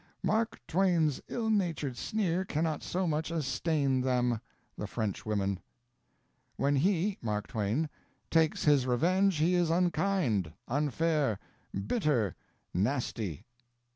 "Mark Twain's ill natured sneer cannot so much as stain them" (the Frenchwomen). "When he" (Mark Twain) "takes his revenge he is unkind, unfair, bitter, nasty."